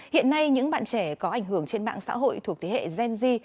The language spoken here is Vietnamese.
hiện nay những bạn trẻ có ảnh hưởng trên mạng xã hội thuộc thế hệ gen z